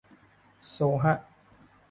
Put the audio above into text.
โซลฮะ